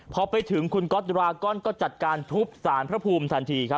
พอไปถึงคุณก๊อตรากรก็จัดการทุบสารพระภูมิทันทีครับ